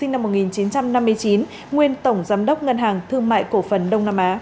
một trần phương bình sinh năm một nghìn chín trăm chín mươi bảy